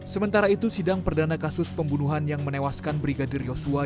sementara itu sidang perdana kasus pembunuhan yang menewaskan brigadir yosua